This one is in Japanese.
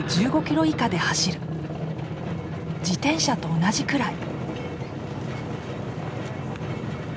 自転車と同じくらい。